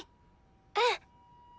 うん！